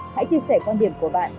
hãy chia sẻ quan điểm của bạn